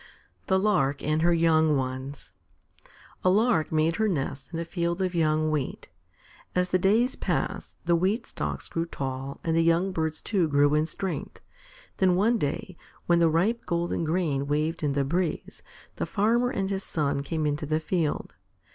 _ THE LARK AND HER YOUNG ONES A Lark made her nest in a field of young wheat. As the days passed, the wheat stalks grew tall and the young birds, too, grew in strength. Then one day, when the ripe golden grain waved in the breeze, the Farmer and his son came into the field.